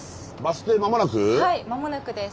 はい間もなくです。